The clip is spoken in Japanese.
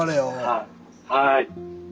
はい。